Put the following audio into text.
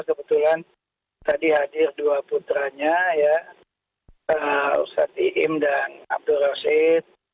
kebetulan tadi hadir dua putranya ustadz iim dan abdul rashid